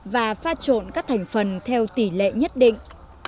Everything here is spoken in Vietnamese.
và pha trộn các thành phần theo tỷ lệ nhất định